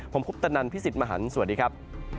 ผมคุปตะนันพี่สิทธิ์มหันฯสวัสดีครับ